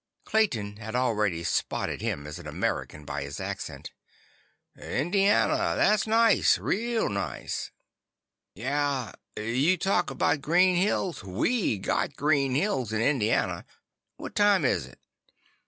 Clayton had already spotted him as an American by his accent. "Indiana? That's nice. Real nice." "Yeah. You talk about green hills, we got green hills in Indiana. What time is it?"